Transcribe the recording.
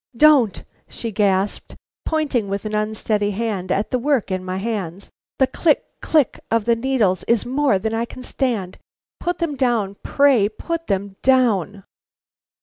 "Don't!" she gasped, pointing with an unsteady hand at the work in my hand. "The click, click of the needles is more than I can stand. Put them down, pray; put them down!"